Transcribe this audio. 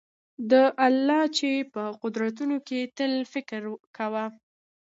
د الله چي په قدرتونو کي تل فکر کوه